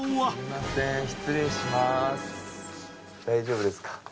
大丈夫ですか？